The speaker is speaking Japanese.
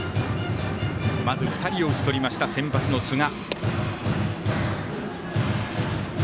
まず２人を打ち取りました先発の寿賀。